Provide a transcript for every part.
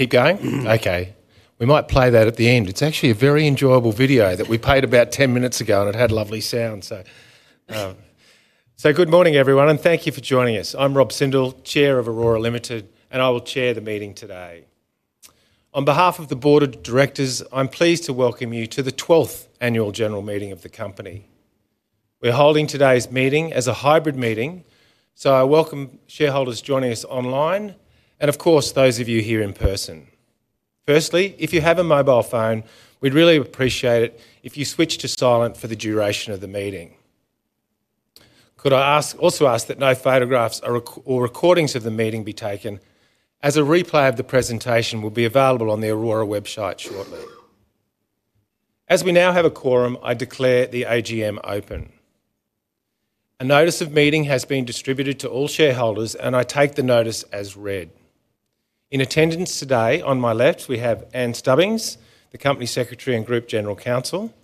Keep going? Okay. We might play that at the end. It's actually a very enjoyable video that we played about 10 minutes ago, and it had lovely sound. Good morning, everyone, and thank you for joining us. I'm Rob Sindle, Chair of Orora Limited, and I will chair the meeting today. On behalf of the Board of Directors, I'm pleased to welcome you to the 12th Annual General Meeting of the company. We're holding today's meeting as a hybrid meeting, so I welcome shareholders joining us online and, of course, those of you here in person. Firstly, if you have a mobile phone, we'd really appreciate it if you switched to silent for the duration of the meeting. Could I also ask that no photographs or recordings of the meeting be taken, as a replay of the presentation will be available on the Orora website shortly. As we now have a quorum, I declare the AGM open. A notice of meeting has been distributed to all shareholders, and I take the notice as read. In attendance today, on my left, we have Ann Stubbings, the Company Secretary and Group General Counsel;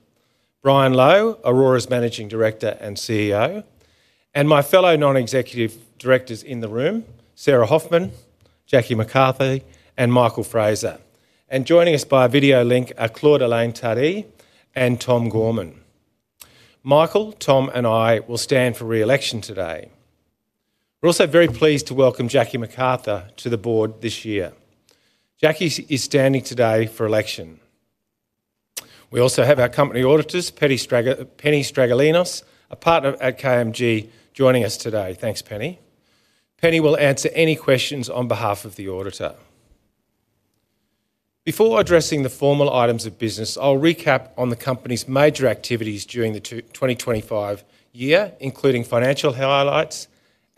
Brian Lowe, Orora's Managing Director and CEO; and my fellow Non-Executive Directors in the room, Sarah Hoffman, Jackie McCarthy, and Michael Fraser. Joining us by video link are Claude Alain Tadhi and Tom Gorman. Michael, Tom, and I will stand for reelection today. We're also very pleased to welcome Jackie McCarthy to the board this year. Jackie is standing today for election. We also have our company auditors, Penny Stragalinos, a partner at KMG, joining us today. Thanks, Penny. Penny will answer any questions on behalf of the auditor. Before addressing the formal items of business, I'll recap on the company's major activities during the 2025 year, including financial highlights,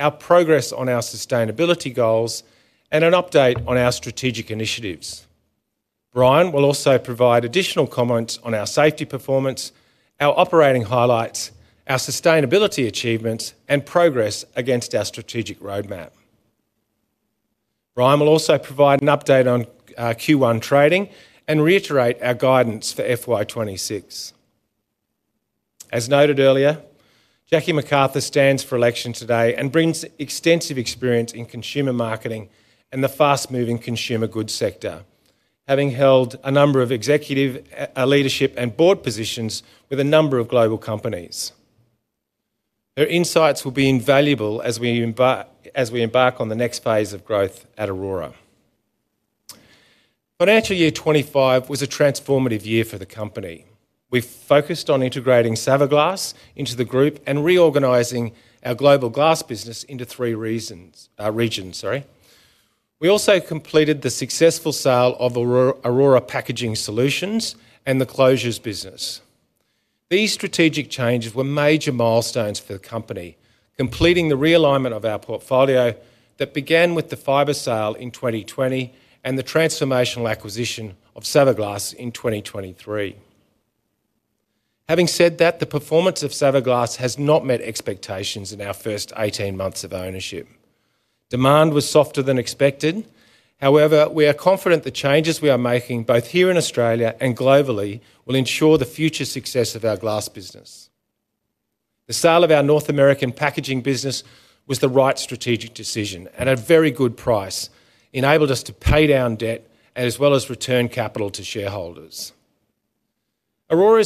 our progress on our sustainability goals, and an update on our strategic initiatives. Brian will also provide additional comments on our safety performance, our operating highlights, our sustainability achievements, and progress against our strategic roadmap. Brian will also provide an update on Q1 trading and reiterate our guidance for FY 2026. As noted earlier, Jackie McCarthy stands for election today and brings extensive experience in consumer marketing and the fast-moving consumer goods sector, having held a number of executive leadership and board positions with a number of global companies. Her insights will be invaluable as we embark on the next phase of growth at Orora. Financial year 2025 was a transformative year for the company. We focused on integrating Saverglass into the group and reorganizing our global glass business into three regions. We also completed the successful sale of Orora Packaging Solutions and the closures business. These strategic changes were major milestones for the company, completing the realignment of our portfolio that began with the fiber sale in 2020 and the transformational acquisition of Saverglass in 2023. Having said that, the performance of Saverglass has not met expectations in our first 18 months of ownership. Demand was softer than expected. However, we are confident the changes we are making, both here in Australia and globally, will ensure the future success of our glass business. The sale of our North American packaging business was the right strategic decision, and a very good price enabled us to pay down debt as well as return capital to shareholders. Orora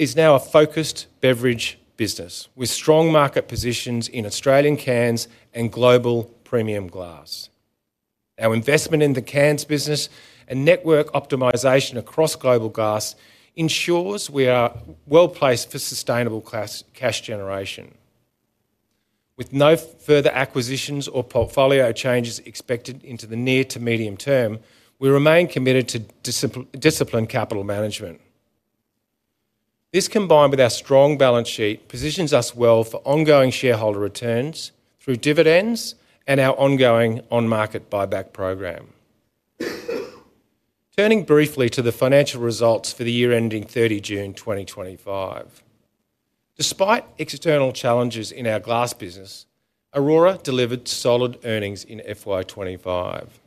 is now a focused beverage business with strong market positions in Australian cans and global premium glass. Our investment in the cans business and network optimization across global glass ensures we are well placed for sustainable cash generation. With no further acquisitions or portfolio changes expected into the near to medium term, we remain committed to disciplined capital management. This, combined with our strong balance sheet, positions us well for ongoing shareholder returns through dividends and our ongoing on-market buyback program. Turning briefly to the financial results for the year ending 30 June 2025. Despite external challenges in our glass business, Orora delivered solid earnings in FY 2025.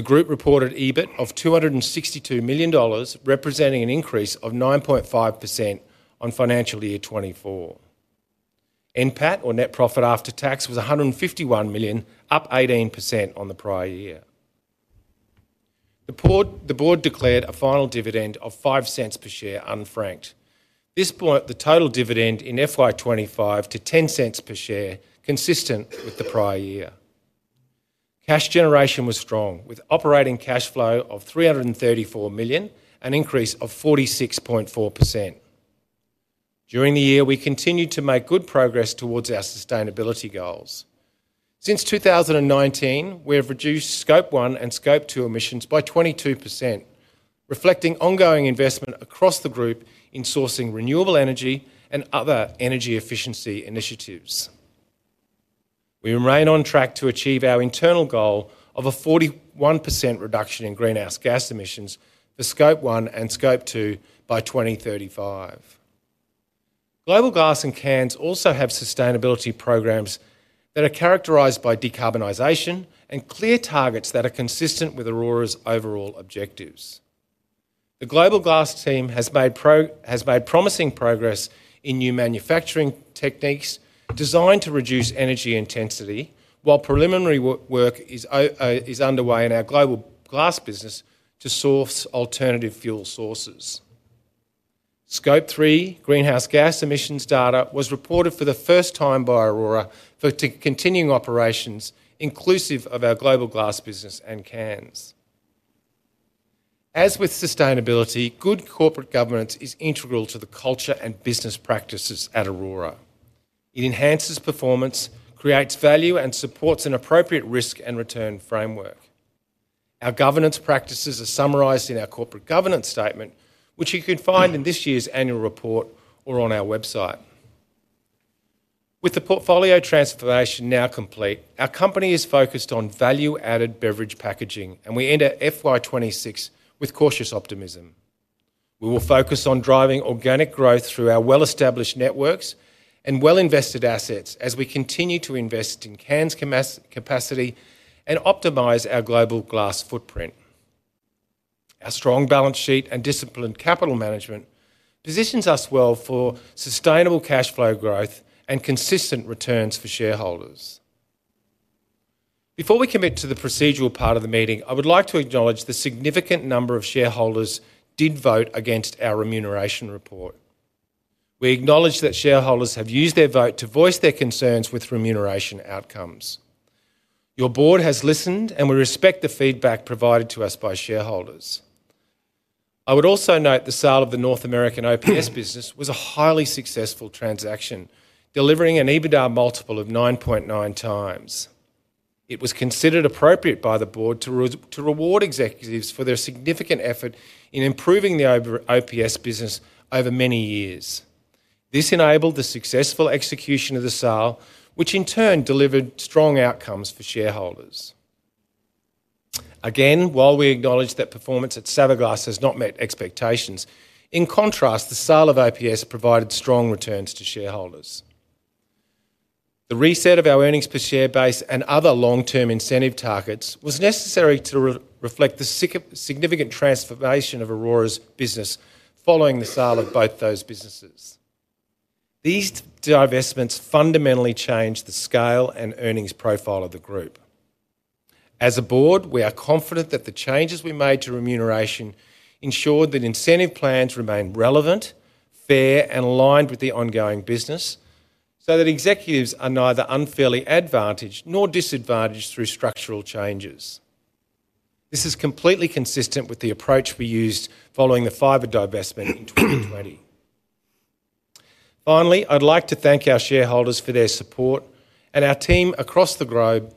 The group reported EBIT of 262 million dollars, representing an increase of 9.5% on financial year 2024. NPAT, or net profit after tax, was 151 million, up 18% on the prior year. The board declared a final dividend of 0.05 per share, unfranked. This brought the total dividend in FY 2025 to 0.10 per share, consistent with the prior year. Cash generation was strong, with operating cash flow of 334 million, an increase of 46.4%. During the year, we continued to make good progress towards our sustainability goals. Since 2019, we have reduced Scope 1 and Scope 2 emissions by 22%, reflecting ongoing investment across the group in sourcing renewable energy and other energy efficiency initiatives. We remain on track to achieve our internal goal of a 41% reduction in greenhouse gas emissions for Scope 1 and Scope 2 by 2035. Global Glass and Cans also have sustainability programs that are characterized by decarbonization and clear targets that are consistent with Orora's overall objectives. The Global Glass team has made promising progress in new manufacturing techniques designed to reduce energy intensity, while preliminary work is underway in our global glass business to source alternative fuel sources. Scope 3 greenhouse gas emissions data was reported for the first time by Orora for continuing operations, inclusive of our global glass business and cans. As with sustainability, good corporate governance is integral to the culture and business practices at Orora. It enhances performance, creates value, and supports an appropriate risk and return framework. Our governance practices are summarized in our corporate governance statement, which you can find in this year's annual report or on our website. With the portfolio transformation now complete, our company is focused on value-added beverage packaging, and we enter FY 2026 with cautious optimism. We will focus on driving organic growth through our well-established networks and well-invested assets as we continue to invest in cans capacity and optimize our global glass footprint. Our strong balance sheet and disciplined capital management position us well for sustainable cash flow growth and consistent returns for shareholders. Before we commit to the procedural part of the meeting, I would like to acknowledge the significant number of shareholders who did vote against our remuneration report. We acknowledge that shareholders have used their vote to voice their concerns with remuneration outcomes. Your board has listened, and we respect the feedback provided to us by shareholders. I would also note the sale of the North American OPS business was a highly successful transaction, delivering an EBITDA multiple of 9.9 times. It was considered appropriate by the board to reward executives for their significant effort in improving the OPS business over many years. This enabled the successful execution of the sale, which in turn delivered strong outcomes for shareholders. Again, while we acknowledge that performance at Saverglass has not met expectations, in contrast, the sale of OPS provided strong returns to shareholders. The reset of our earnings per share base and other long-term incentive targets was necessary to reflect the significant transformation of Orora's business following the sale of both those businesses. These divestments fundamentally changed the scale and earnings profile of the group. As a Board, we are confident that the changes we made to remuneration ensured that incentive plans remain relevant, fair, and aligned with the ongoing business so that executives are neither unfairly advantaged nor disadvantaged through structural changes. This is completely consistent with the approach we used following the fiber divestment in 2020. Finally, I'd like to thank our shareholders for their support and our team across the globe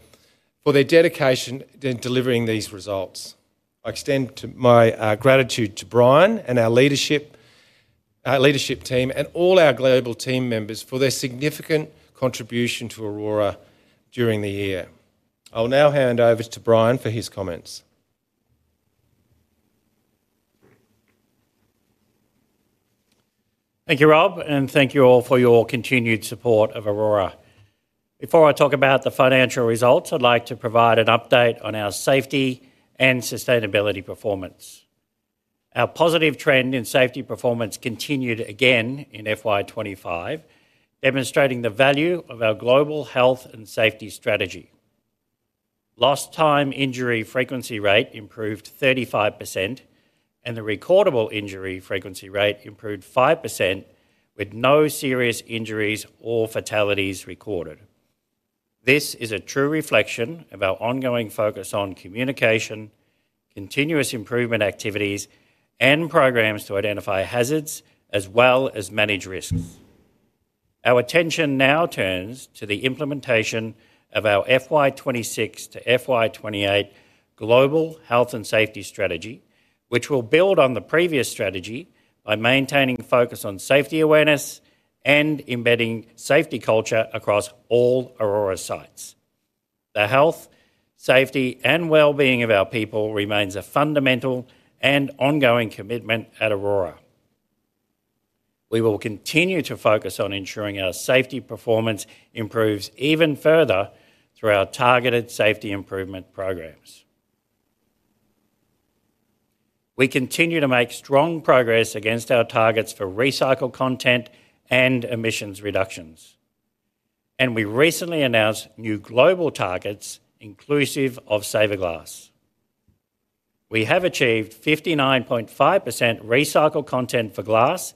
for their dedication in delivering these results. I extend my gratitude to Brian and our leadership team and all our global team members for their significant contribution to Orora during the year. I will now hand over to Brian for his comments. Thank you, Rob, and thank you all for your continued support of Orora. Before I talk about the financial results, I'd like to provide an update on our safety and sustainability performance. Our positive trend in safety performance continued again in FY 2025, demonstrating the value of our global health and safety strategy. Lost time injury frequency rate improved 35%, and the recordable injury frequency rate improved 5%, with no serious injuries or fatalities recorded. This is a true reflection of our ongoing focus on communication, continuous improvement activities, and programs to identify hazards as well as manage risks. Our attention now turns to the implementation of our FY 2026 to FY 2028 global health and safety strategy, which will build on the previous strategy by maintaining focus on safety awareness and embedding safety culture across all Orora sites. The health, safety, and well-being of our people remains a fundamental and ongoing commitment at Orora. We will continue to focus on ensuring our safety performance improves even further through our targeted safety improvement programs. We continue to make strong progress against our targets for recycled content and emissions reductions, and we recently announced new global targets inclusive of Saverglass. We have achieved 59.5% recycled content for glass,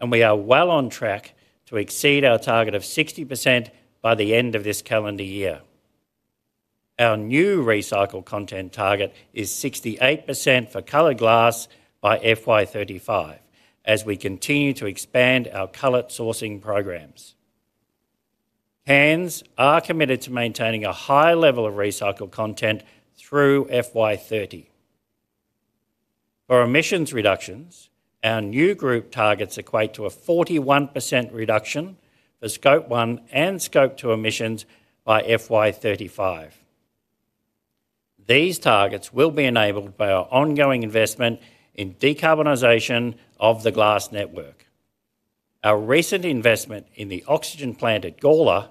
and we are well on track to exceed our target of 60% by the end of this calendar year. Our new recycled content target is 68% for colored glass by FY 2035, as we continue to expand our colored sourcing programs. Cans are committed to maintaining a high level of recycled content through FY 2030. For emissions reductions, our new group targets equate to a 41% reduction for Scope 1 and Scope 2 emissions by FY 2035. These targets will be enabled by our ongoing investment in decarbonization of the glass network. Our recent investment in the oxygen plant at Gorla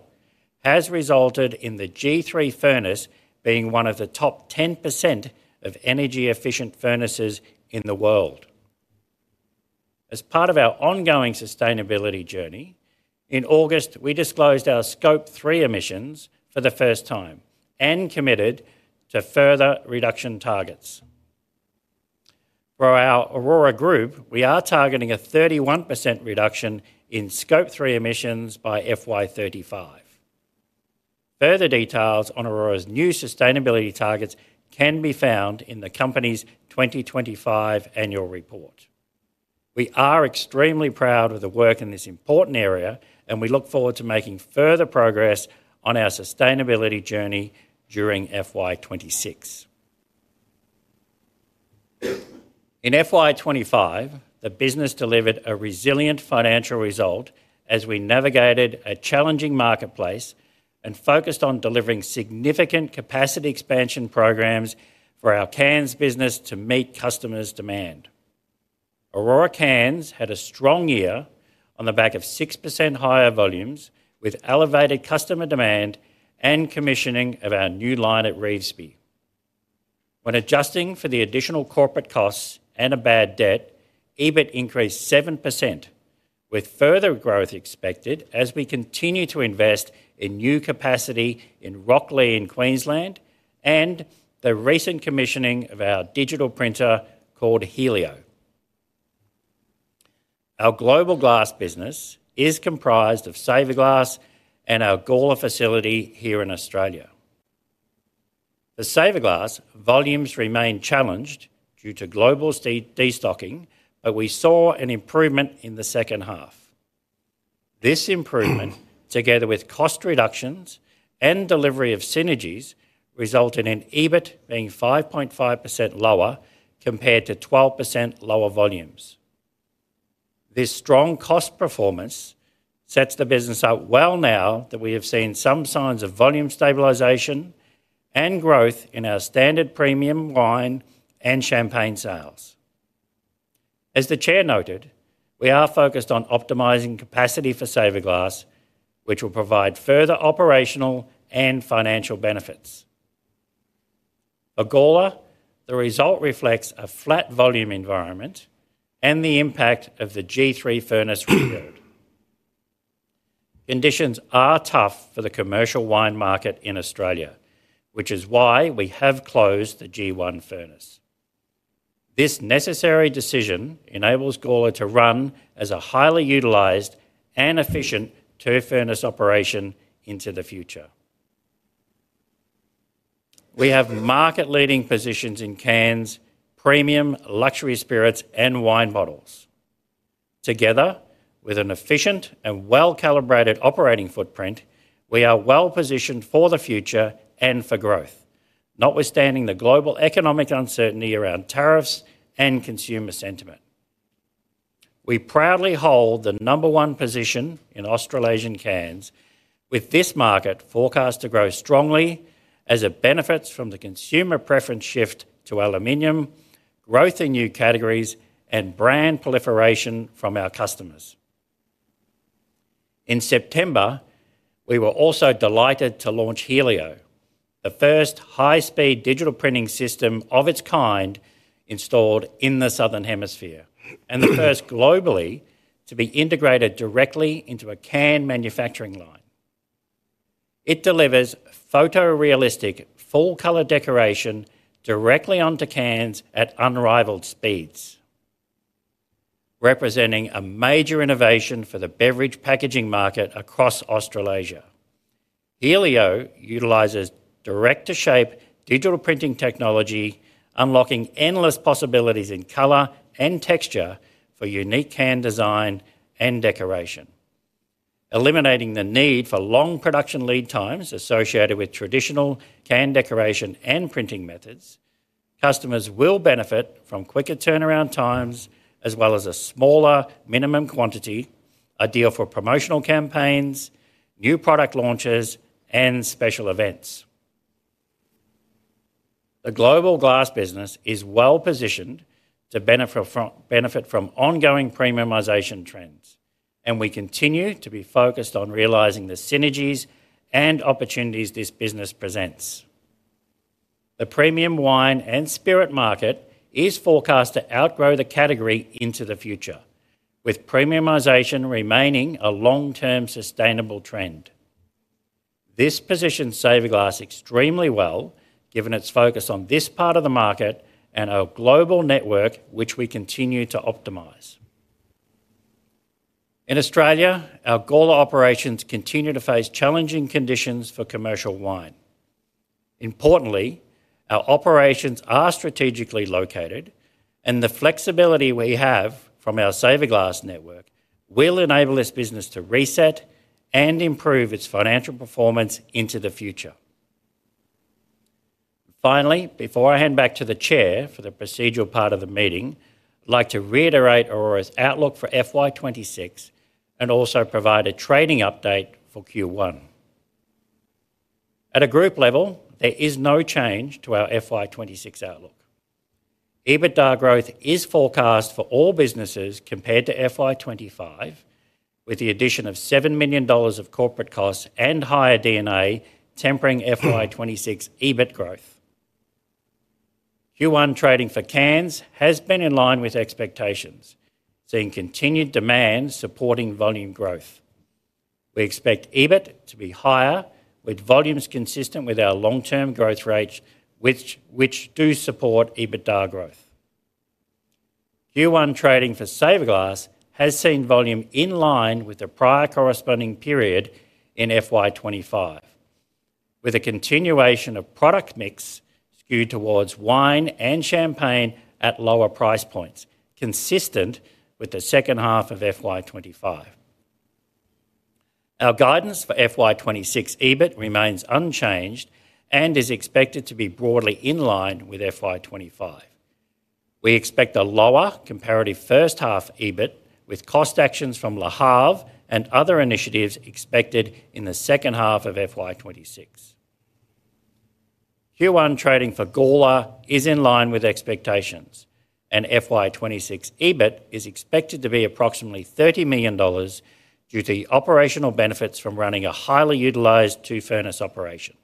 has resulted in the G3 glass furnace being one of the top 10% of energy-efficient furnaces in the world. As part of our ongoing sustainability journey, in August, we disclosed our Scope 3 emissions for the first time and committed to further reduction targets. For our Orora group, we are targeting a 31% reduction in Scope 3 emissions by FY 2035. Further details on Orora's new sustainability targets can be found in the company's 2025 annual report. We are extremely proud of the work in this important area, and we look forward to making further progress on our sustainability journey during FY 2026. In FY 2025, the business delivered a resilient financial result as we navigated a challenging marketplace and focused on delivering significant capacity expansion programs for our cans business to meet customers' demand. Orora cans had a strong year on the back of 6% higher volumes, with elevated customer demand and commissioning of our new line at Revesby. When adjusting for the additional corporate costs and a bad debt, EBIT increased 7%, with further growth expected as we continue to invest in new capacity in Rocklea in Queensland and the recent commissioning of our digital printer called Helio. Our global glass business is comprised of Saverglass and our Gorla facility here in Australia. For Saverglass, volumes remain challenged due to global destocking, but we saw an improvement in the second half. This improvement, together with cost reductions and delivery of synergies, resulted in EBIT being 5.5% lower compared to 12% lower volumes. This strong cost performance sets the business up well now that we have seen some signs of volume stabilization and growth in our standard premium wine and champagne sales. As the Chair noted, we are focused on optimizing capacity for Saverglass, which will provide further operational and financial benefits. For Gorla, the result reflects a flat volume environment and the impact of the G3 glass furnace rebuild. Conditions are tough for the commercial wine market in Australia, which is why we have closed the G1 furnace. This necessary decision enables Gorla to run as a highly utilized and efficient two-furnace operation into the future. We have market-leading positions in cans, premium, luxury spirits, and wine bottles. Together, with an efficient and well-calibrated operating footprint, we are well positioned for the future and for growth, notwithstanding the global economic uncertainty around tariffs and consumer sentiment. We proudly hold the number one position in Australasian cans, with this market forecast to grow strongly as it benefits from the consumer preference shift to aluminum, growth in new categories, and brand proliferation from our customers. In September, we were also delighted to launch Helio, the first high-speed digital printing system of its kind installed in the Southern Hemisphere, and the first globally to be integrated directly into a can manufacturing line. It delivers photorealistic full-color decoration directly onto cans at unrivaled speeds, representing a major innovation for the beverage packaging market across Australasia. Helio utilizes direct-to-shape digital printing technology, unlocking endless possibilities in color and texture for unique can design and decoration, eliminating the need for long production lead times associated with traditional can decoration and printing methods. Customers will benefit from quicker turnaround times, as well as a smaller minimum quantity, ideal for promotional campaigns, new product launches, and special events. The global glass business is well positioned to benefit from ongoing premiumization trends, and we continue to be focused on realizing the synergies and opportunities this business presents. The premium wine and spirit market is forecast to outgrow the category into the future, with premiumization remaining a long-term sustainable trend. This positions Saverglass extremely well, given its focus on this part of the market and our global network, which we continue to optimize. In Australia, our Gorla operations continue to face challenging conditions for commercial wine. Importantly, our operations are strategically located, and the flexibility we have from our Saverglass network will enable this business to reset and improve its financial performance into the future. Finally, before I hand back to the Chair for the procedural part of the meeting, I'd like to reiterate Orora's outlook for FY 2026 and also provide a trading update for Q1. At a group level, there is no change to our FY 2026 outlook. EBITDA growth is forecast for all businesses compared to FY 2025, with the addition of 7 million dollars of corporate costs and higher D&A tempering FY 2026 EBIT growth. Q1 trading for cans has been in line with expectations, seeing continued demand supporting volume growth. We expect EBIT to be higher, with volumes consistent with our long-term growth rates, which do support EBITDA growth. Q1 trading for Saverglass has seen volume in line with the prior corresponding period in FY 2025, with a continuation of product mix skewed towards wine and champagne at lower price points, consistent with the second half of FY 2025. Our guidance for FY 2026 EBIT remains unchanged and is expected to be broadly in line with FY 2025. We expect a lower comparative first half EBIT, with cost actions from Lahav and other initiatives expected in the second half of FY 2026. Q1 trading for Gorla is in line with expectations, and FY 2026 EBIT is expected to be approximately 30 million dollars due to the operational benefits from running a highly utilized two-furnace operation.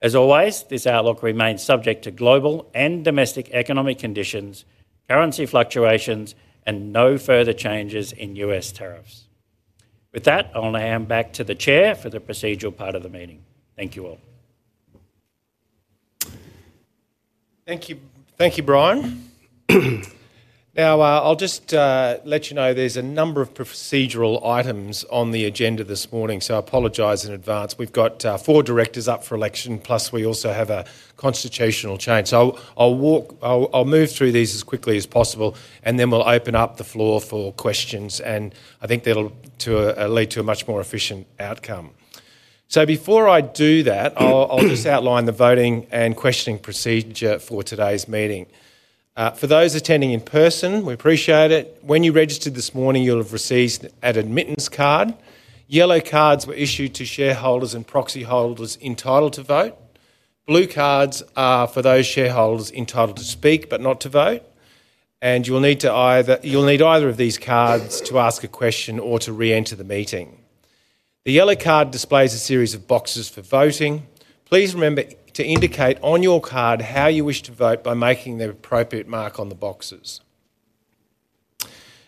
As always, this outlook remains subject to global and domestic economic conditions, currency fluctuations, and no further changes in U.S. tariffs. With that, I'll hand back to the Chair for the procedural part of the meeting. Thank you all. Thank you, Brian. Now, I'll just let you know there's a number of procedural items on the agenda this morning, so I apologize in advance. We've got four directors up for election, plus we also have a constitutional change. I'll move through these as quickly as possible, and then we'll open up the floor for questions. I think that'll lead to a much more efficient outcome. Before I do that, I'll just outline the voting and questioning procedure for today's meeting. For those attending in person, we appreciate it. When you registered this morning, you'll have received an admittance card. Yellow cards were issued to shareholders and proxy holders entitled to vote. Blue cards are for those shareholders entitled to speak but not to vote, and you'll need either of these cards to ask a question or to re-enter the meeting. The yellow card displays a series of boxes for voting. Please remember to indicate on your card how you wish to vote by making the appropriate mark on the boxes.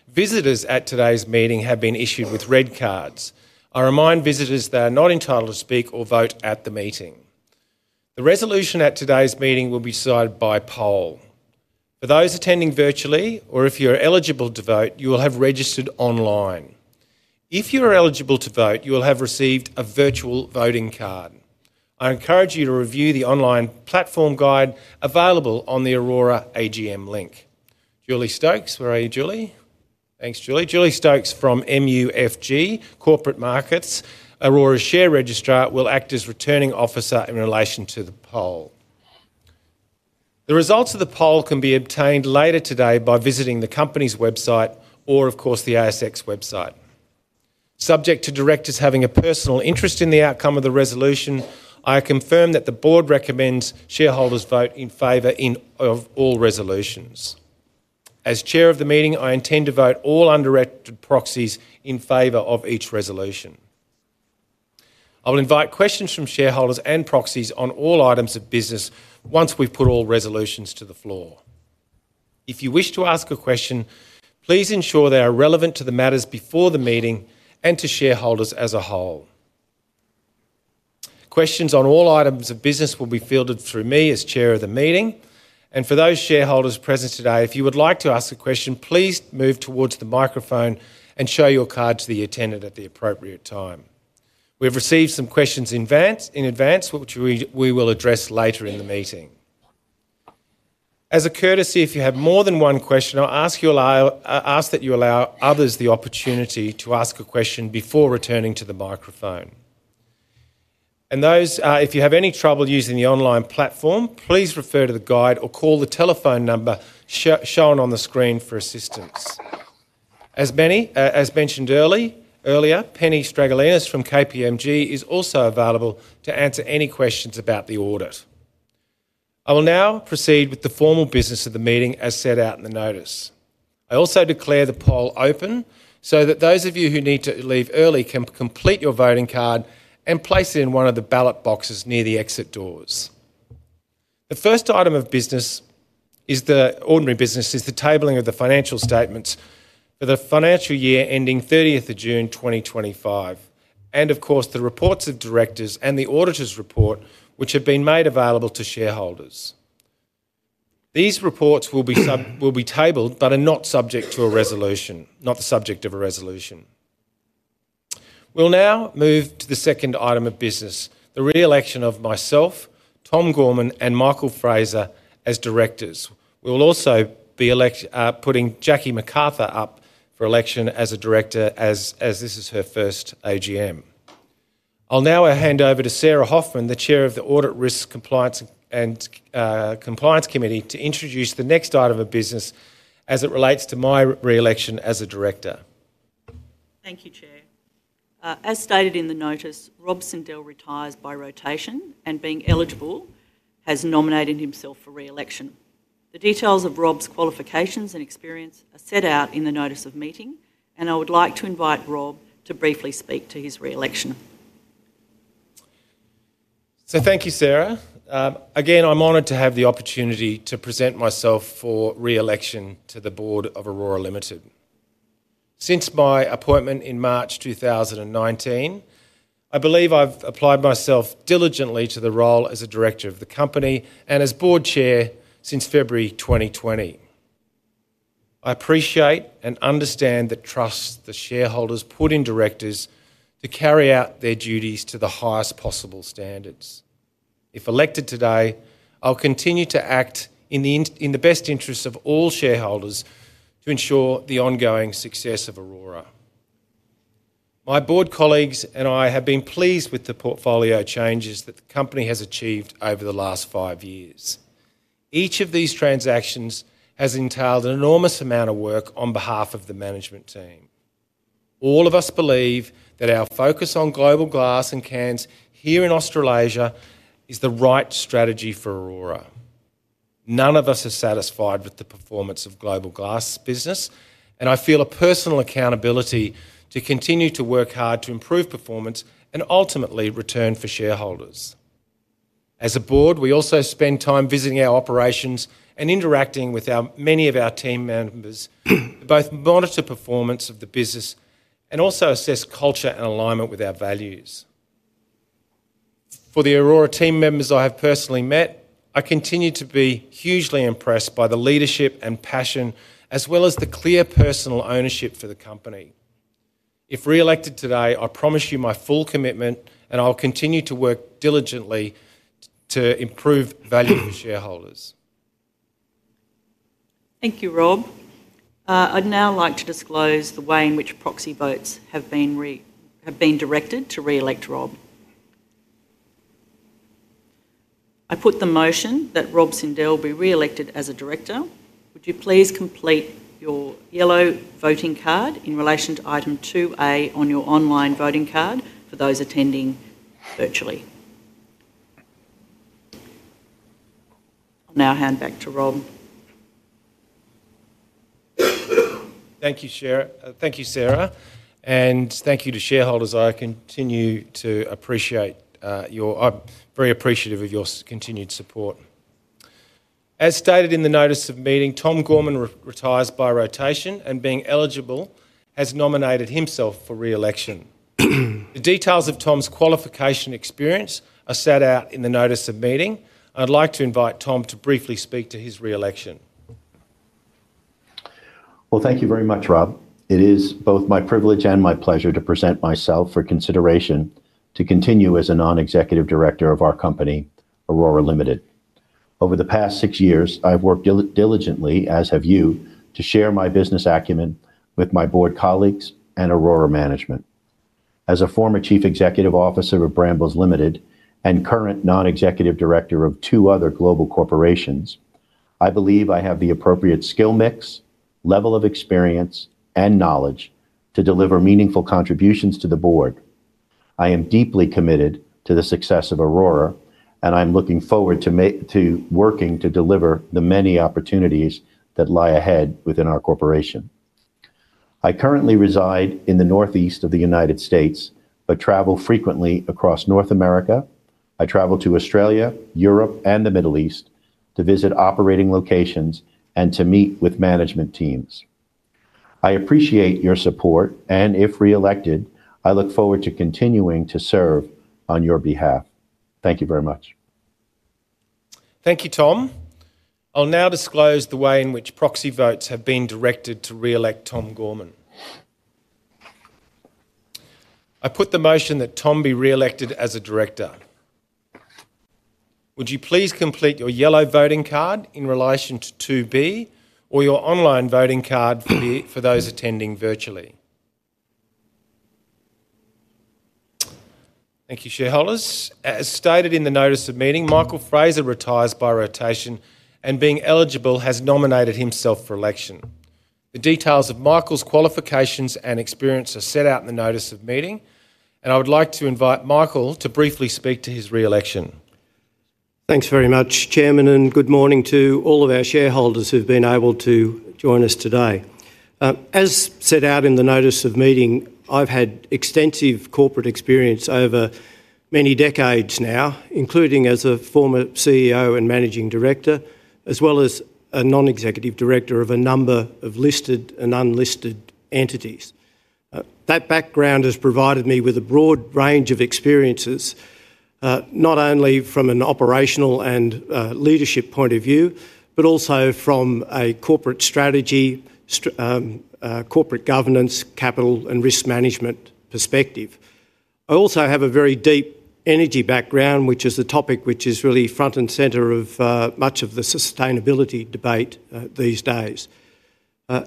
Visitors at today's meeting have been issued with red cards. I remind visitors they are not entitled to speak or vote at the meeting. The resolution at today's meeting will be decided by poll. For those attending virtually, or if you are eligible to vote, you will have registered online. If you are eligible to vote, you will have received a virtual voting card. I encourage you to review the online platform guide available on the Orora AGM link. Julie Stokes, where are you, Julie? Thanks, Julie. Julie Stokes from MUFG Corporate Markets, Orora's share registrar, will act as returning officer in relation to the poll. The results of the poll can be obtained later today by visiting the company's website or, of course, the ASX website. Subject to directors having a personal interest in the outcome of the resolution, I confirm that the board recommends shareholders vote in favor of all resolutions. As Chair of the meeting, I intend to vote all underwritten proxies in favor of each resolution. I will invite questions from shareholders and proxies on all items of business once we've put all resolutions to the floor. If you wish to ask a question, please ensure they are relevant to the matters before the meeting and to shareholders as a whole. Questions on all items of business will be fielded through me as Chair of the meeting, and for those shareholders present today, if you would like to ask a question, please move towards the microphone and show your card to the attendant at the appropriate time. We've received some questions in advance, which we will address later in the meeting. As a courtesy, if you have more than one question, I'll ask that you allow others the opportunity to ask a question before returning to the microphone. If you have any trouble using the online platform, please refer to the guide or call the telephone number shown on the screen for assistance. As mentioned earlier, Penny Stragalinos from KPMG is also available to answer any questions about the audit. I will now proceed with the formal business of the meeting as set out in the notice. I also declare the poll open so that those of you who need to leave early can complete your voting card and place it in one of the ballot boxes near the exit doors. The first item of business is the ordinary business, the tabling of the financial statements for the financial year ending June 30, 2025, and of course, the reports of directors and the auditor's report, which have been made available to shareholders. These reports will be tabled but are not subject to a resolution, not the subject of a resolution. We'll now move to the second item of business, the reelection of myself, Tom Gorman, and Michael Fraser as directors. We will also be putting Jackie McCarthy up for election as a director, as this is her first AGM. I'll now hand over to Sarah Hoffman, the Chair of the Audit Risk and Compliance Committee, to introduce the next item of business as it relates to my reelection as a director. Thank you, Chair. As stated in the notice, Rob Sindle retires by rotation and, being eligible, has nominated himself for reelection. The details of Rob's qualifications and experience are set out in the notice of meeting, and I would like to invite Rob to briefly speak to his reelection. Thank you, Sarah. Again, I'm honored to have the opportunity to present myself for reelection to the board of Orora Limited. Since my appointment in March 2019, I believe I've applied myself diligently to the role as a director of the company and as Board Chair since February 2020. I appreciate and understand the trust the shareholders put in directors to carry out their duties to the highest possible standards. If elected today, I'll continue to act in the best interests of all shareholders to ensure the ongoing success of Orora. My board colleagues and I have been pleased with the portfolio changes that the company has achieved over the last five years. Each of these transactions has entailed an enormous amount of work on behalf of the management team. All of us believe that our focus on global glass and cans here in Australasia is the right strategy for Orora. None of us are satisfied with the performance of global glass business, and I feel a personal accountability to continue to work hard to improve performance and ultimately return for shareholders. As a board, we also spend time visiting our operations and interacting with many of our team members to both monitor the performance of the business and also assess culture and alignment with our values. For the Orora team members I have personally met, I continue to be hugely impressed by the leadership and passion, as well as the clear personal ownership for the company. If reelected today, I promise you my full commitment, and I'll continue to work diligently to improve value for shareholders. Thank you, Rob. I'd now like to disclose the way in which proxy votes have been directed to reelect Rob. I put the motion that Rob Sindle be reelected as a Director. Would you please complete your yellow voting card in relation to item 2A on your online voting card for those attending virtually? I'll now hand back to Rob. Thank you, Sarah, and thank you to shareholders. I continue to appreciate your, I'm very appreciative of your continued support. As stated in the notice of meeting, Tom Gorman retires by rotation and, being eligible, has nominated himself for reelection. The details of Tom's qualification and experience are set out in the notice of meeting, and I'd like to invite Tom to briefly speak to his reelection. Thank you very much, Rob. It is both my privilege and my pleasure to present myself for consideration to continue as a Non-Executive Director of our company, Orora Limited. Over the past six years, I've worked diligently, as have you, to share my business acumen with my board colleagues and Orora management. As a former Chief Executive Officer of Brambles Ltd. and current Non-Executive Director of two other global corporations, I believe I have the appropriate skill mix, level of experience, and knowledge to deliver meaningful contributions to the board. I am deeply committed to the success of Orora, and I'm looking forward to working to deliver the many opportunities that lie ahead within our corporation. I currently reside in the Northeast of the United States, but travel frequently across North America. I travel to Australia, Europe, and the Middle East to visit operating locations and to meet with management teams. I appreciate your support, and if reelected, I look forward to continuing to serve on your behalf. Thank you very much. Thank you, Tom. I'll now disclose the way in which proxy votes have been directed to reelect Tom Gorman. I put the motion that Tom be reelected as a Director. Would you please complete your yellow voting card in relation to 2B or your online voting card for those attending virtually? Thank you, shareholders. As stated in the notice of meeting, Michael Fraser retires by rotation and, being eligible, has nominated himself for election. The details of Michael's qualifications and experience are set out in the notice of meeting, and I would like to invite Michael to briefly speak to his reelection. Thanks very much, Chairman, and good morning to all of our shareholders who've been able to join us today. As set out in the notice of meeting, I've had extensive corporate experience over many decades now, including as a former CEO and Managing Director, as well as a Non-Executive Director of a number of listed and unlisted entities. That background has provided me with a broad range of experiences, not only from an operational and leadership point of view, but also from a corporate strategy, corporate governance, capital, and risk management perspective. I also have a very deep energy background, which is the topic which is really front and center of much of the sustainability debate these days.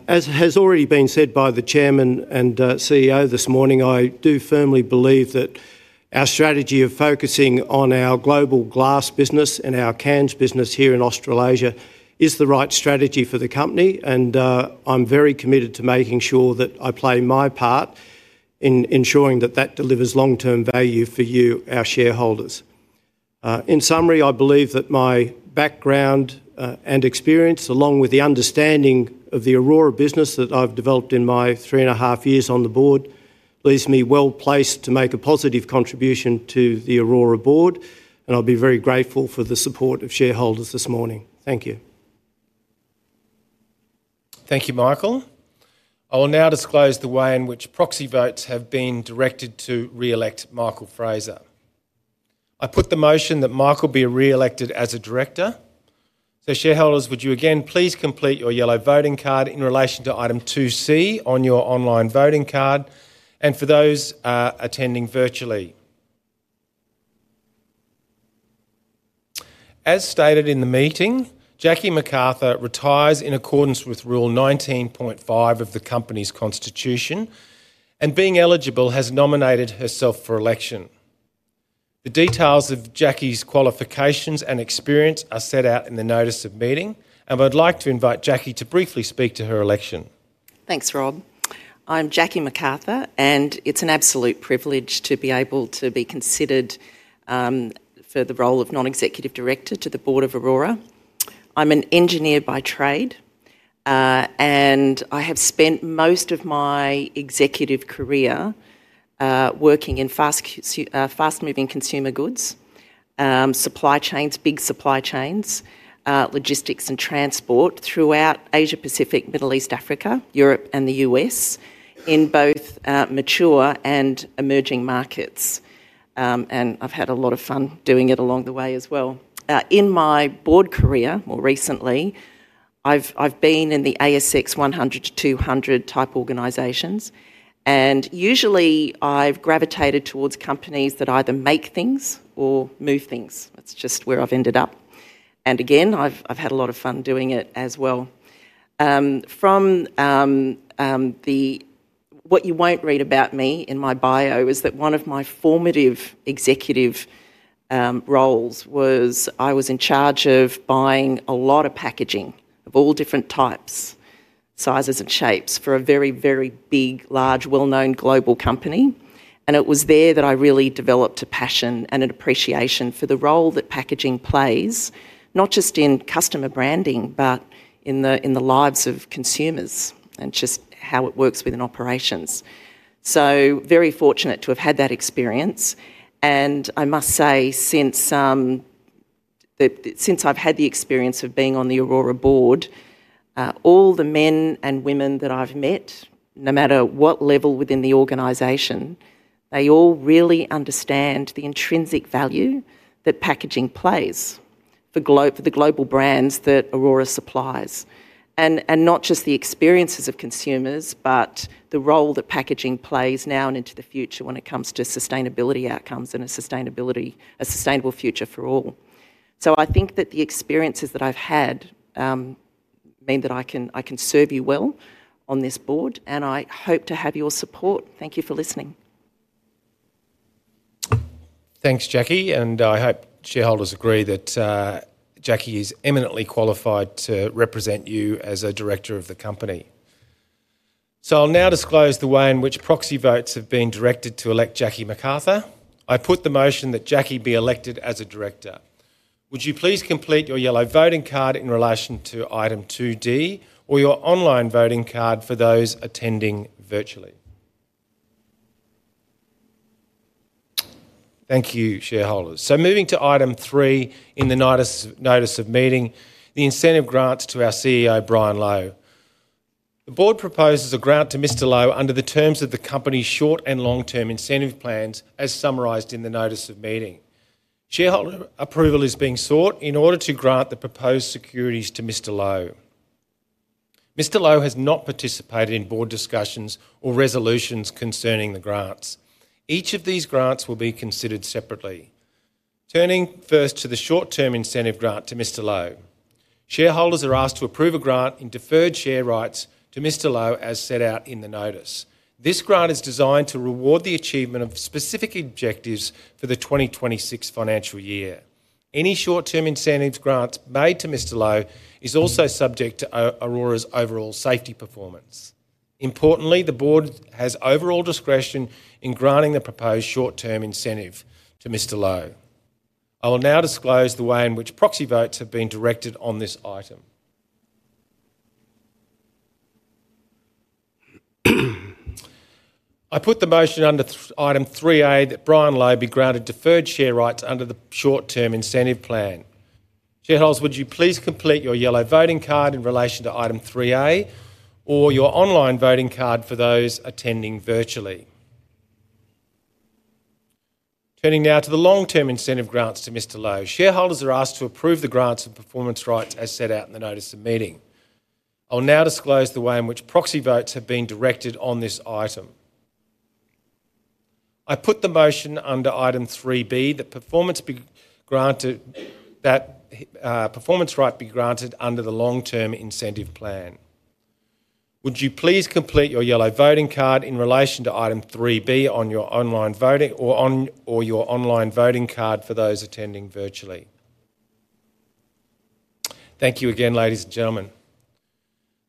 As has already been said by the Chairman and CEO this morning, I do firmly believe that our strategy of focusing on our global glass business and our cans business here in Australasia is the right strategy for the company, and I'm very committed to making sure that I play my part in ensuring that that delivers long-term value for you, our shareholders. In summary, I believe that my background and experience, along with the understanding of the Orora business that I've developed in my three and a half years on the board, leaves me well placed to make a positive contribution to the Orora board, and I'll be very grateful for the support of shareholders this morning. Thank you. Thank you, Michael. I will now disclose the way in which proxy votes have been directed to reelect Michael Fraser. I put the motion that Michael be reelected as a director. Shareholders, would you again please complete your yellow voting card in relation to item 2C on your online voting card and for those attending virtually? As stated in the meeting, Jackie McCarthy retires in accordance with Rule 19.5 of the company's constitution, and, being eligible, has nominated herself for election. The details of Jackie's qualifications and experience are set out in the notice of meeting, and I'd like to invite Jackie to briefly speak to her election. Thanks, Rob. I'm Jackie McCarthy, and it's an absolute privilege to be able to be considered for the role of Non-Executive Director to the board of Orora. I'm an engineer by trade, and I have spent most of my executive career working in fast-moving consumer goods, supply chains, big supply chains, logistics, and transport throughout Asia-Pacific, Middle East, Africa, Europe, and the U.S. in both mature and emerging markets. I've had a lot of fun doing it along the way as well. In my board career, more recently, I've been in the ASX 100 to 200 type organizations, and usually, I've gravitated towards companies that either make things or move things. That's just where I've ended up. I've had a lot of fun doing it as well. What you won't read about me in my bio is that one of my formative executive roles was I was in charge of buying a lot of packaging of all different types, sizes, and shapes for a very, very big, large, well-known global company. It was there that I really developed a passion and an appreciation for the role that packaging plays, not just in customer branding, but in the lives of consumers and just how it works within operations. Very fortunate to have had that experience. I must say, since I've had the experience of being on the Orora board, all the men and women that I've met, no matter what level within the organization, they all really understand the intrinsic value that packaging plays for the global brands that Orora supplies. Not just the experiences of consumers, but the role that packaging plays now and into the future when it comes to sustainability outcomes and a sustainable future for all. I think that the experiences that I've had mean that I can serve you well on this board, and I hope to have your support. Thank you for listening. Thanks, Jackie, and I hope shareholders agree that Jackie is eminently qualified to represent you as a director of the company. I'll now disclose the way in which proxy votes have been directed to elect Jackie McCarthy. I put the motion that Jackie be elected as a director. Would you please complete your yellow voting card in relation to item 2D or your online voting card for those attending virtually? Thank you, shareholders. Moving to item 3 in the notice of meeting, the incentive grants to our CEO, Brian Lowe. The board proposes a grant to Mr. Lowe under the terms of the company's short and long-term incentive plans as summarized in the notice of meeting. Shareholder approval is being sought in order to grant the proposed securities to Mr. Lowe. Mr. Lowe has not participated in board discussions or resolutions concerning the grants. Each of these grants will be considered separately. Turning first to the short-term incentive grant to Mr. Lowe, shareholders are asked to approve a grant in deferred share rights to Mr. Lowe, as set out in the notice. This grant is designed to reward the achievement of specific objectives for the 2026 financial year. Any short-term incentive grants made to Mr. Lowe are also subject to Orora's overall safety performance. Importantly, the board has overall discretion in granting the proposed short-term incentive to Mr. Lowe. I will now disclose the way in which proxy votes have been directed on this item. I put the motion under item 3A that Brian Lowe be granted deferred share rights under the short-term incentive plan. Shareholders, would you please complete your yellow voting card in relation to item 3A or your online voting card for those attending virtually? Turning now to the long-term incentive grants to Mr. Lowe, shareholders are asked to approve the grants and performance rights as set out in the notice of meeting. I will now disclose the way in which proxy votes have been directed on this item. I put the motion under item 3B that performance rights be granted under the long-term incentive plan. Would you please complete your yellow voting card in relation to item 3B or your online voting card for those attending virtually? Thank you again, ladies and gentlemen.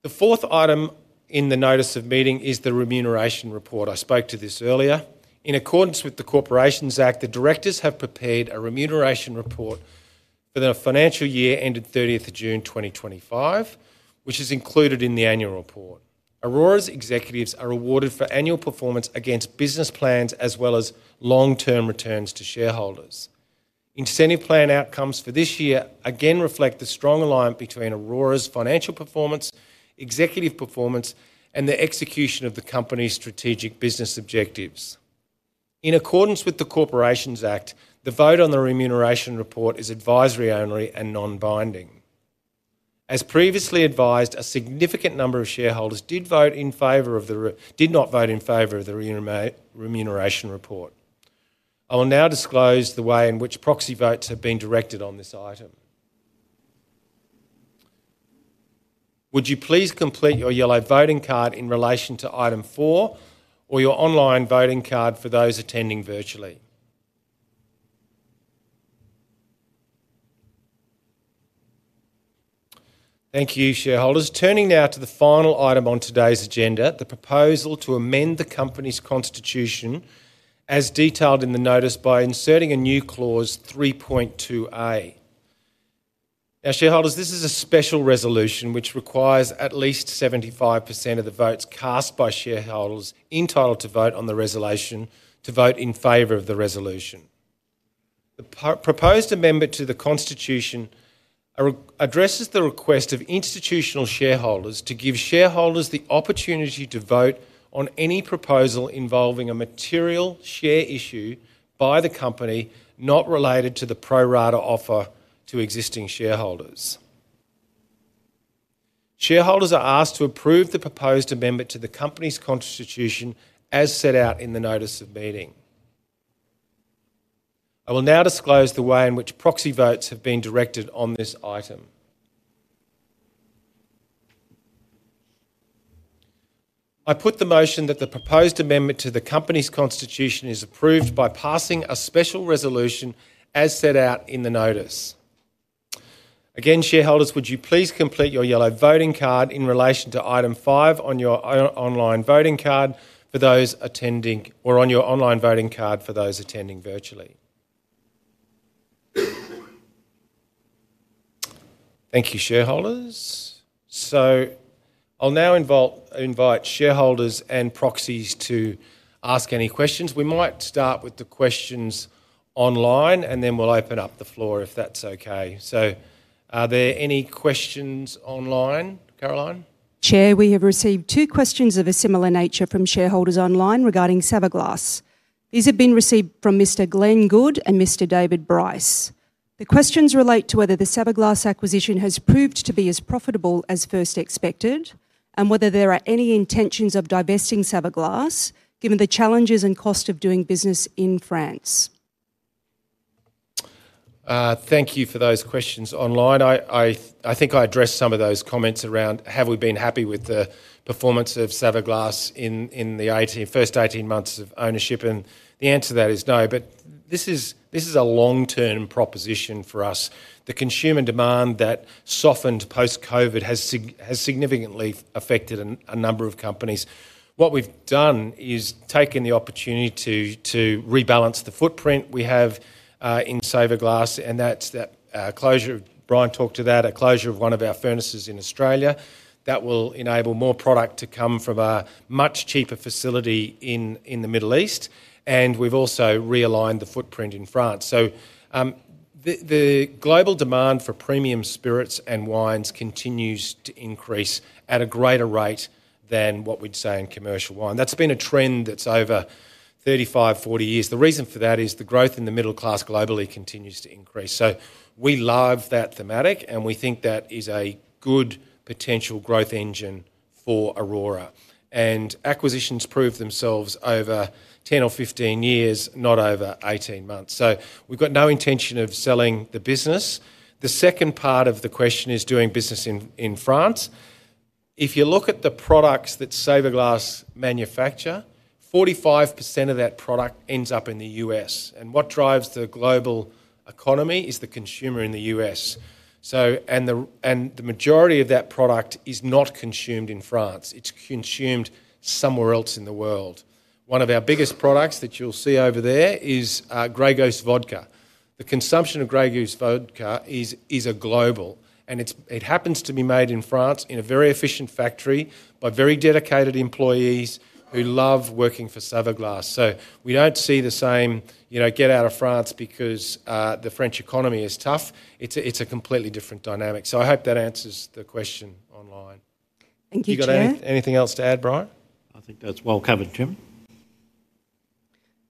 The fourth item in the notice of meeting is the remuneration report. I spoke to this earlier. In accordance with the Corporations Act, the directors have prepared a remuneration report for the financial year ending June 30, 2025, which is included in the annual report. Orora's executives are rewarded for annual performance against business plans as well as long-term returns to shareholders. Incentive plan outcomes for this year again reflect the strong alignment between Orora's financial performance, executive performance, and the execution of the company's strategic business objectives. In accordance with the Corporations Act, the vote on the remuneration report is advisory only and non-binding. As previously advised, a significant number of shareholders did not vote in favor of the remuneration report. I will now disclose the way in which proxy votes have been directed on this item. Would you please complete your yellow voting card in relation to item 4 or your online voting card for those attending virtually? Thank you, shareholders. Turning now to the final item on today's agenda, the proposal to amend the company's constitution as detailed in the notice by inserting a new clause 3.2A. Now, shareholders, this is a special resolution which requires at least 75% of the votes cast by shareholders entitled to vote on the resolution to vote in favor of the resolution. The proposed amendment to the constitution addresses the request of institutional shareholders to give shareholders the opportunity to vote on any proposal involving a material share issue by the company not related to the pro-rata offer to existing shareholders. Shareholders are asked to approve the proposed amendment to the company's constitution as set out in the notice of meeting. I will now disclose the way in which proxy votes have been directed on this item. I put the motion that the proposed amendment to the company's constitution is approved by passing a special resolution as set out in the notice. Again, shareholders, would you please complete your yellow voting card in relation to item 5 on your online voting card for those attending or on your online voting card for those attending virtually? Thank you, shareholders. I'll now invite shareholders and proxies to ask any questions. We might start with the questions online, and then we'll open up the floor if that's okay. Are there any questions online, Carolyn? Chair, we have received two questions of a similar nature from shareholders online regarding Saverglass. These have been received from Mr. Glenn Good and Mr. David Bryce. The questions relate to whether the Saverglass acquisition has proved to be as profitable as first expected and whether there are any intentions of divesting Saverglass given the challenges and cost of doing business in France. Thank you for those questions online. I think I addressed some of those comments around have we been happy with the performance of Saverglass in the first 18 months of ownership, and the answer to that is no, but this is a long-term proposition for us. The consumer demand that softened post-COVID has significantly affected a number of companies. What we've done is taken the opportunity to rebalance the footprint we have in Saverglass, and that's that closure. Brian talked to that, a closure of one of our furnaces in Australia. That will enable more product to come from a much cheaper facility in the Middle East, and we've also realigned the footprint in France. The global demand for premium spirits and wines continues to increase at a greater rate than what we'd say in commercial wine. That's been a trend that's over 35, 40 years. The reason for that is the growth in the middle class globally continues to increase. We love that thematic, and we think that is a good potential growth engine for Orora. Acquisitions proved themselves over 10 or 15 years, not over 18 months. We've got no intention of selling the business. The second part of the question is doing business in France. If you look at the products that Saverglass manufacture, 45% of that product ends up in the U.S., and what drives the global economy is the consumer in the U.S. The majority of that product is not consumed in France. It's consumed somewhere else in the world. One of our biggest products that you'll see over there is Grey Goose Vodka. The consumption of Grey Goose Vodka is global, and it happens to be made in France in a very efficient factory by very dedicated employees who love working for Saverglass. We don't see the same, you know, get out of France because the French economy is tough. It's a completely different dynamic. I hope that answers the question online. Thank you, Chair. You got anything else to add, Brian? I think that's well covered, Chairman.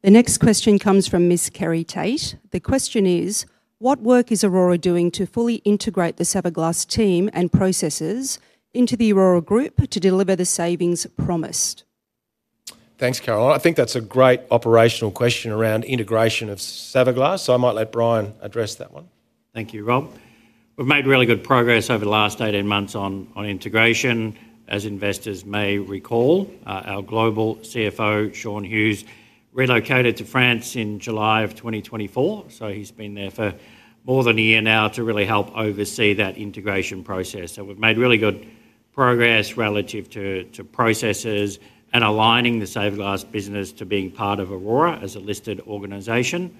The next question comes from Ms. Kerry Tate. The question is, what work is Orora doing to fully integrate the Saverglass team and processes into the Orora group to deliver the savings promised? Thanks, Carolyn. I think that's a great operational question around integration of Saverglass. I might let Brian address that one. Thank you, Rob. We've made really good progress over the last 18 months on integration. As investors may recall, our global CFO, Sean Hughes, relocated to France in July of 2024. He's been there for more than a year now to really help oversee that integration process. We've made really good progress relative to processes and aligning the Saverglass business to being part of Orora as a listed organization.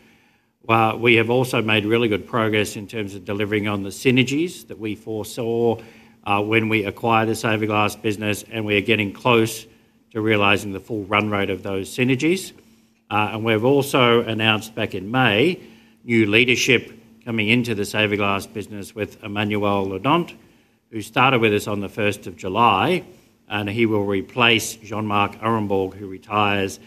We have also made really good progress in terms of delivering on the synergies that we foresaw when we acquired the Saverglass business, and we are getting close to realizing the full run rate of those synergies. We have also announced back in May new leadership coming into the Saverglass business with Emmanuel Ledant, who started with us on the 1st of July, and he will replace Jean-Marc Ehrenborg, who retires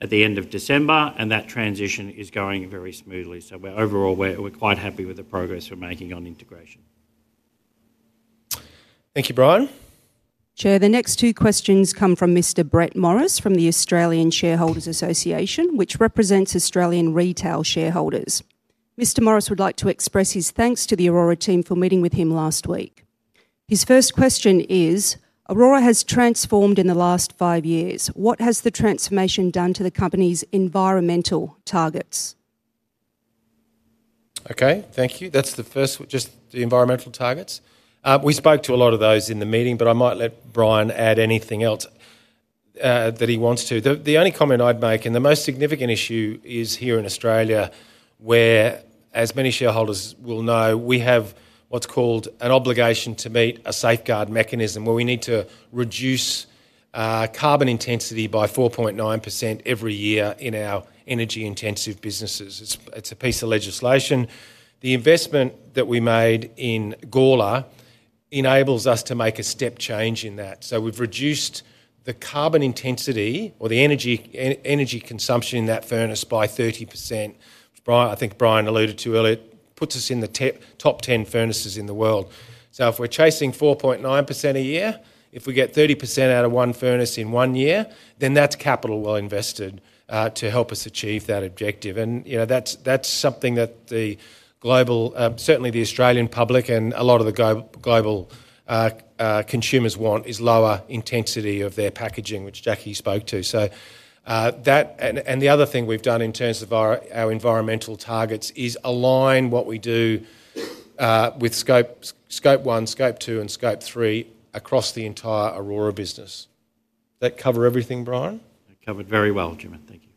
at the end of December, and that transition is going very smoothly. Overall, we're quite happy with the progress we're making on integration. Thank you, Brian. Chair, the next two questions come from Mr. Brett Morris from the Australian Shareholders Association, which represents Australian retail shareholders. Mr. Morris would like to express his thanks to the Orora team for meeting with him last week. His first question is, Orora has transformed in the last five years. What has the transformation done to the company's environmental targets? Okay, thank you. That's the first, just the environmental targets. We spoke to a lot of those in the meeting, but I might let Brian add anything else that he wants to. The only comment I'd make, and the most significant issue is here in Australia, where as many shareholders will know, we have what's called an obligation to meet a safeguard mechanism where we need to reduce carbon intensity by 4.9% every year in our energy-intensive businesses. It's a piece of legislation. The investment that we made in Gorla enables us to make a step change in that. We've reduced the carbon intensity or the energy consumption in that furnace by 30%. I think Brian alluded to earlier, it puts us in the top 10 furnaces in the world. If we're chasing 4.9% a year, if we get 30% out of one furnace in one year, then that's capital well invested to help us achieve that objective. You know, that's something that the global, certainly the Australian public and a lot of the global consumers want is lower intensity of their packaging, which Jackie spoke to. The other thing we've done in terms of our environmental targets is align what we do with Scope 1, Scope 2, and Scope 3 across the entire Orora business. Does that cover everything, Brian? Covered very well, Chairman. Thank you.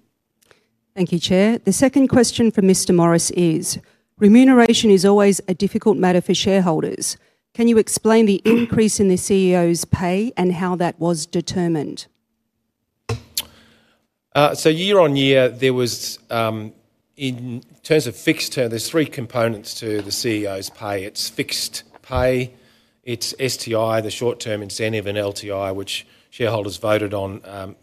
Thank you, Chair. The second question for Mr. Morris is, remuneration is always a difficult matter for shareholders. Can you explain the increase in the CEO's pay and how that was determined? Year on year, in terms of fixed term, there are three components to the CEO's pay. It's fixed pay, it's STI, the short-term incentive, and LTI, which shareholders voted on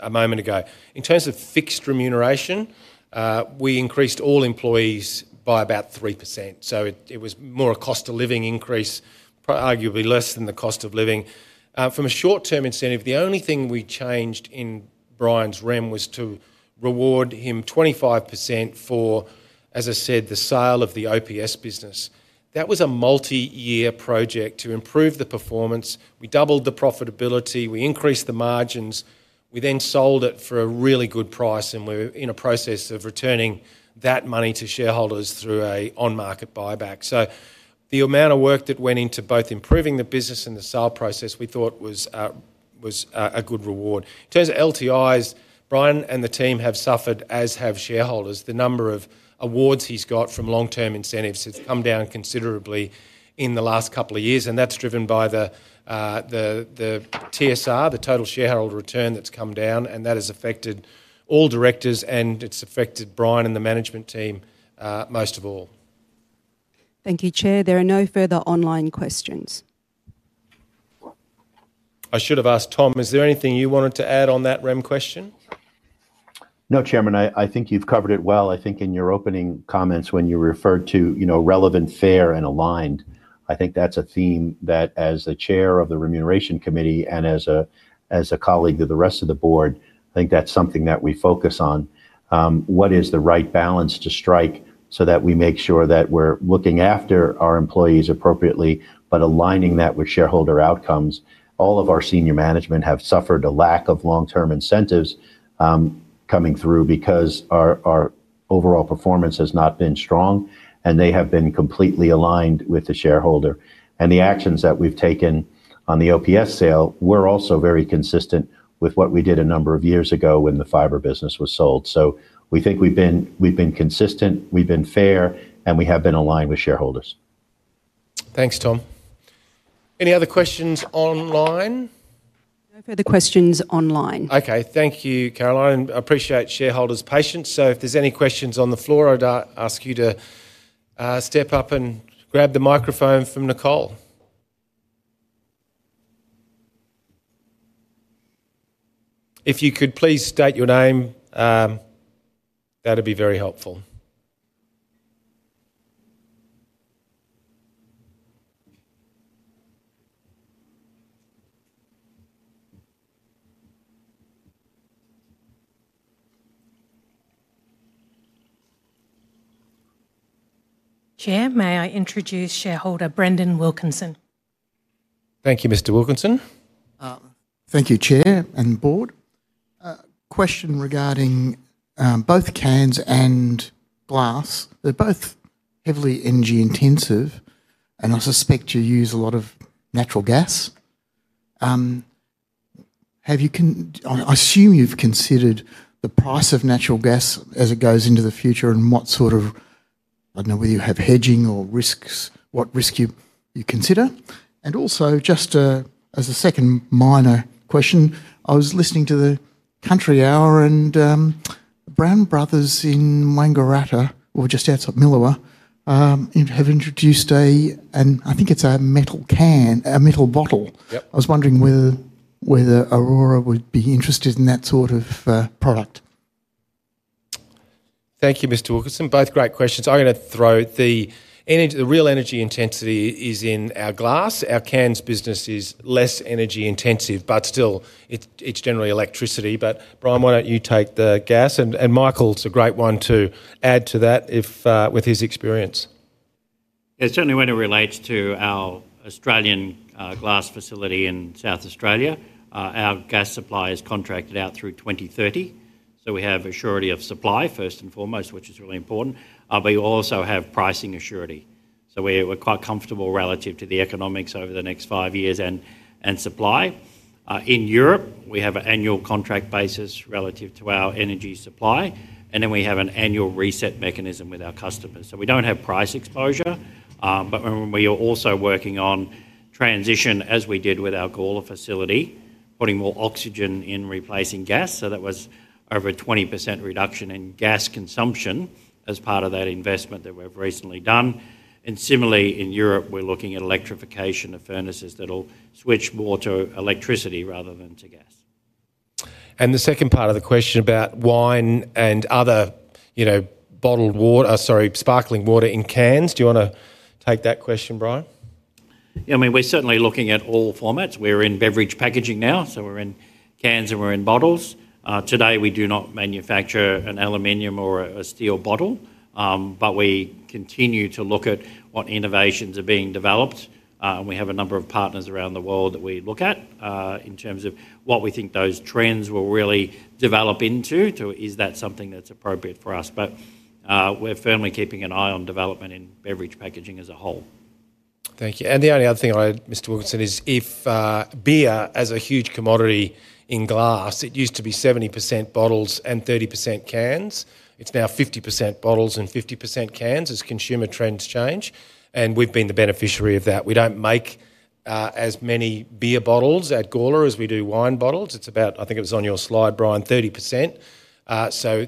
a moment ago. In terms of fixed remuneration, we increased all employees by about 3%. It was more a cost of living increase, arguably less than the cost of living. From a short-term incentive, the only thing we changed in Brian's realm was to reward him 25% for, as I said, the sale of the OPS business. That was a multi-year project to improve the performance. We doubled the profitability, we increased the margins, we then sold it for a really good price, and we're in a process of returning that money to shareholders through an on-market buyback. The amount of work that went into both improving the business and the sale process we thought was a good reward. In terms of LTIs, Brian and the team have suffered, as have shareholders. The number of awards he's got from long-term incentives has come down considerably in the last couple of years, and that's driven by the TSR, the total shareholder return that's come down, and that has affected all directors, and it's affected Brian and the management team most of all. Thank you, Chair. There are no further online questions. I should have asked Tom, is there anything you wanted to add on that REM question? No, Chairman, I think you've covered it well. I think in your opening comments when you referred to, you know, relevant, fair, and aligned, I think that's a theme that as the Chair of the Remuneration Committee and as a colleague to the rest of the Board, I think that's something that we focus on. What is the right balance to strike so that we make sure that we're looking after our employees appropriately, but aligning that with shareholder outcomes. All of our senior management have suffered a lack of long-term incentives coming through because our overall performance has not been strong, and they have been completely aligned with the shareholder. The actions that we've taken on the OPS sale were also very consistent with what we did a number of years ago when the fiber business was sold. We think we've been consistent, we've been fair, and we have been aligned with shareholders. Thanks, Tom. Any other questions online? No further questions online. Okay, thank you, Carolyn. I appreciate shareholders' patience. If there's any questions on the floor, I'd ask you to step up and grab the microphone from Nicole. If you could please state your name, that would be very helpful. Chair, may I introduce shareholder Brendan Wilkinson? Thank you, Mr. Wilkinson. Thank you, Chair and Board. Question regarding both cans and glass. They're both heavily energy intensive, and I suspect you use a lot of natural gas. I assume you've considered the price of natural gas as it goes into the future and what sort of, I don't know whether you have hedging or risks, what risk you consider. Also, just as a second minor question, I was listening to the Country Hour and Brown Brothers in Wangaratta, or just outside Milawa, have introduced a, and I think it's a metal can, a metal bottle. I was wondering whether Orora would be interested in that sort of product. Thank you, Mr. Wilkinson. Both great questions. I'm going to throw the real energy intensity is in our glass. Our cans business is less energy intensive, but still, it's generally electricity. Brian, why don't you take the gas? Michael, it's a great one to add to that with his experience. Certainly, when it relates to our Australian glass facility in South Australia, our gas supply is contracted out through 2030. We have assurity of supply, first and foremost, which is really important, but you also have pricing assurity. We're quite comfortable relative to the economics over the next five years and supply. In Europe, we have an annual contract basis relative to our energy supply, and we have an annual reset mechanism with our customers. We don't have price exposure, but we are also working on transition, as we did with our Gorla facility, putting more oxygen in, replacing gas. That was over a 20% reduction in gas consumption as part of that investment that we've recently done. Similarly, in Europe, we're looking at electrification of furnaces that will switch more to electricity rather than to gas. The second part of the question about wine and other, you know, bottled water, sorry, sparkling water in cans. Do you want to take that question, Brian? Yeah, I mean, we're certainly looking at all formats. We're in beverage packaging now, so we're in cans and we're in bottles. Today, we do not manufacture an aluminum or a steel bottle, but we continue to look at what innovations are being developed. We have a number of partners around the world that we look at in terms of what we think those trends will really develop into. Is that something that's appropriate for us? We're firmly keeping an eye on development in beverage packaging as a whole. Thank you. The only other thing I'll add, Mr. Wilkinson, is if beer as a huge commodity in glass, it used to be 70% bottles and 30% cans. It's now 50% bottles and 50% cans as consumer trends change. We've been the beneficiary of that. We don't make as many beer bottles at Gorla as we do wine bottles. It's about, I think it was on your slide, Brian, 30%.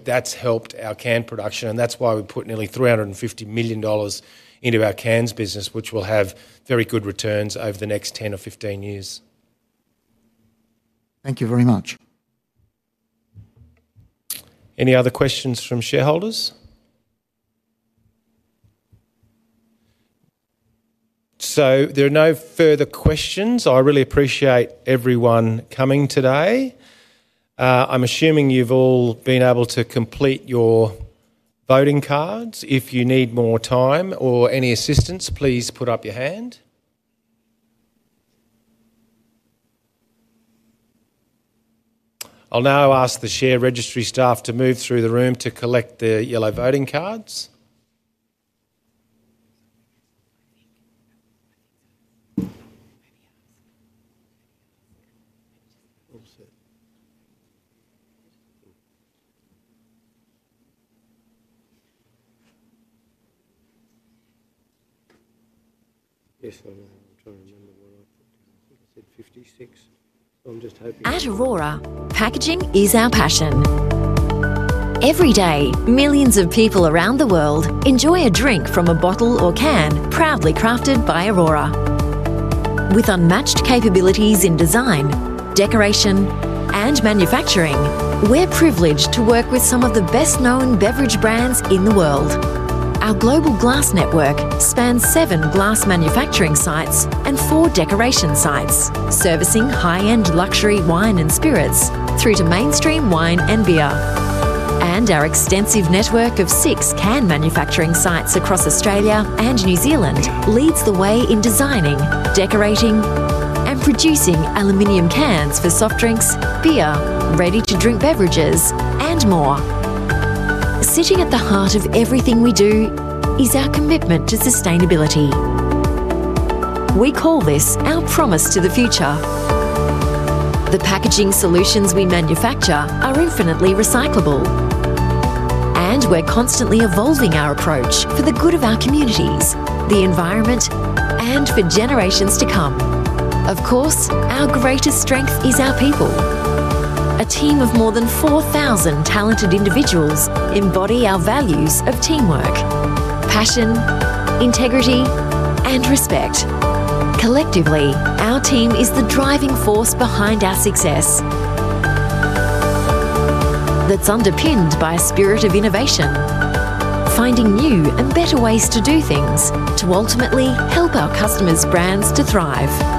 That's helped our can production, and that's why we put nearly 350 million dollars into our cans business, which will have very good returns over the next 10 or 15 years. Thank you very much. Any other questions from shareholders? There are no further questions. I really appreciate everyone coming today. I'm assuming you've all been able to complete your voting cards. If you need more time or any assistance, please put up your hand. I'll now ask the share registry staff to move through the room to collect their yellow voting cards. As Orora, packaging is our passion. Every day, millions of people around the world enjoy a drink from a bottle or can proudly crafted by Orora. With unmatched capabilities in design, decoration, and manufacturing, we're privileged to work with some of the best-known beverage brands in the world. Our global glass network spans seven glass manufacturing sites and four decoration sites, servicing high-end luxury wine and spirits through to mainstream wine and beer. Our extensive network of six can manufacturing sites across Australia and New Zealand leads the way in designing, decorating, and producing aluminum cans for soft drinks, beer, ready-to-drink beverages, and more. Sitting at the heart of everything we do is our commitment to sustainability. We call this our promise to the future. The packaging solutions we manufacture are infinitely recyclable, and we're constantly evolving our approach for the good of our communities, the environment, and for generations to come. Of course, our greatest strength is our people. A team of more than 4,000 talented individuals embody our values of teamwork, passion, integrity, and respect. Collectively, our team is the driving force behind our success that's underpinned by a spirit of innovation, finding new and better ways to do things to ultimately help our customers' brands to thrive.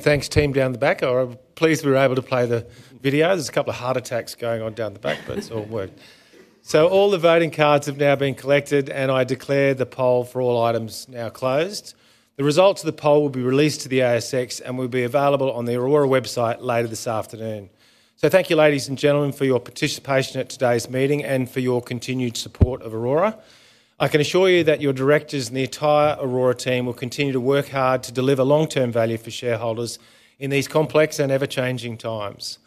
Thank you, and thanks team down the back. I'm pleased we were able to play the video. There's a couple of heart attacks going on down the back, but it's all worked. All the voting cards have now been collected, and I declare the poll for all items now closed. The results of the poll will be released to the ASX and will be available on the Orora website later this afternoon. Thank you, ladies and gentlemen, for your participation at today's meeting and for your continued support of Orora. I can assure you that your directors and the entire Orora team will continue to work hard to deliver long-term value for shareholders in these complex and ever-changing times.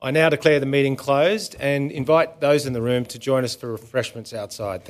I now declare the meeting closed and invite those in the room to join us for refreshments outside.